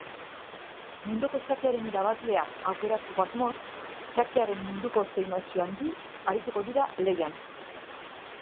Munduko xakearen irabazlea aukeratzeko asmoz xakearen munduko sei maisu handi arituko dira lehian.